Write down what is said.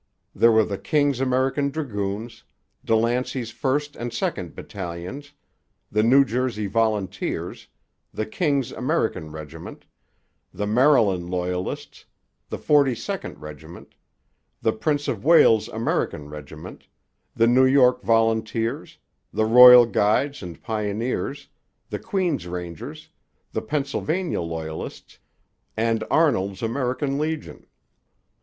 There were the King's American Dragoons, De Lancey's First and Second Battalions, the New Jersey Volunteers, the King's American Regiment, the Maryland Loyalists, the 42nd Regiment, the Prince of Wales American Regiment, the New York Volunteers, the Royal Guides and Pioneers, the Queen's Rangers, the Pennsylvania Loyalists, and Arnold's American Legion.